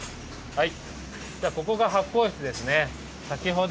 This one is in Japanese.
はい。